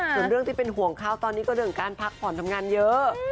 ส่วนเรื่องที่เป็นห่วงเขาตอนนี้ก็เรื่องการพักผ่อนทำงานเยอะ